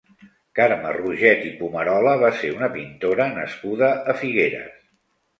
Carme Roget i Pumarola va ser una pintora nascuda a Figueres.